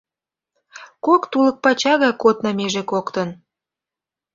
Кок тулык пача гай кодна меже коктын.